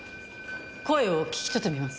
声を聞き取ってみます。